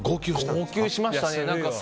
号泣しましたね。